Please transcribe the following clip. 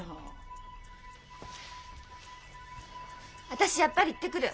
私やっぱり行ってくる。